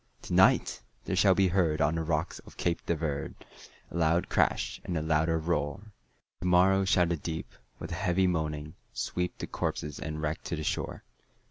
"To night there shall be heard on the rocks of Cape de Verde, A loud crash, and a louder roar; And to morrow shall the deep, with a heavy moaning, sweep The corpses and wreck to the shore."